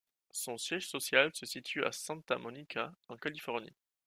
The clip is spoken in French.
Son siège social se situe à Santa Monica, en Californie.